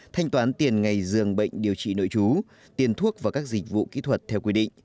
thanh toán tiền ngày dường bệnh điều trị nội chú tiền thuốc và các dịch vụ kỹ thuật theo quy định